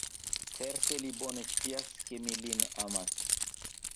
Certe li bone scias, ke mi lin amas.